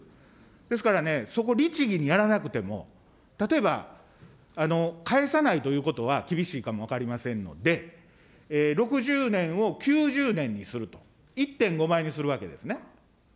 ですからね、そこ、律義にやらなくても、例えば返さないということは厳しいかもわかりませんので、６０年を９０年にすると、１．５倍にするわけですね。